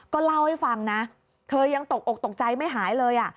ก็เล่าให้ฟังนะเธอยังตกอกตกใจไม่หายเลย